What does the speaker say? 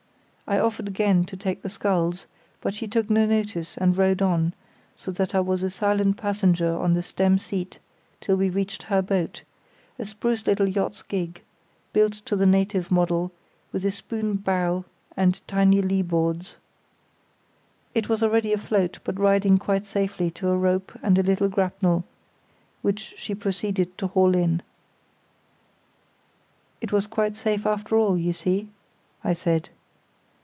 I offered again to take the sculls, but she took no notice and rowed on, so that I was a silent passenger on the stern seat till we reached her boat, a spruce little yacht's gig, built to the native model, with a spoon bow and tiny lee boards. It was already afloat, but riding quite safely to a rope and a little grapnel, which she proceeded to haul in. "It was quite safe after all, you see," I said.